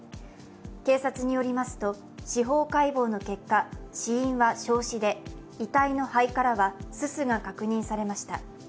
警察によりますと、司法解剖の結果死因は焼死で、遺体の肺からはすすが確認されました。